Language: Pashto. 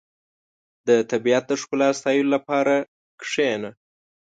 • د طبیعت د ښکلا ستایلو لپاره کښېنه.